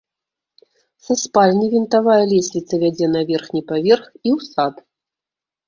Са спальні вінтавая лесвіца вядзе на верхні паверх і ў сад.